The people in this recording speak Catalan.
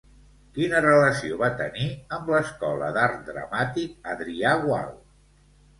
Quina relació va tenir amb l'Escola d'Art Dramàtic Adrià Gual?